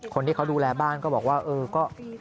คนที่เขาดูแลบ้านก็บอกว่าเออก็